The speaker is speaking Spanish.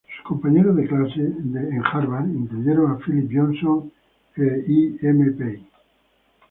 Sus compañeros de clase de Harvard incluyeron a Philip Johnson y I. M. Pei.